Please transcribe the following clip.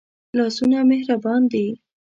لاسونه مهربان دي